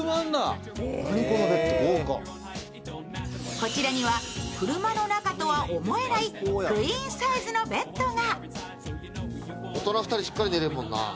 こちらには車の中とは思えないクイーンサイズのベッドが。